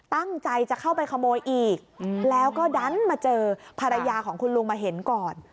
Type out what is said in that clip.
ตั้งใจจะเข้าไปขโมยอีกแล้วก็ดันมาเจอภรรยาของคุณลุงมาเห็นก่อน